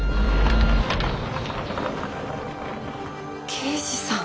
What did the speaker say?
刑事さん。